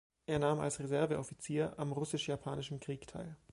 Er nahm als Reserveoffizier am Russisch-Japanischen Krieg teil.